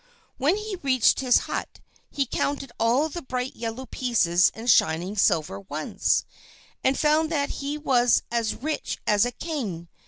When he reached his hut, he counted all the bright yellow pieces and shining silver ones, and found that he was as rich as a king.